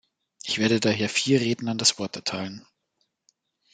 Ich werde daher vier Rednern das Wort erteilen.